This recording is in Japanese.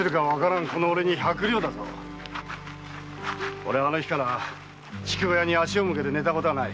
俺はあの日から筑後屋に足を向けて寝たことはない。